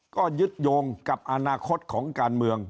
ก็ยึดโยงกับอนาคตของการเมือง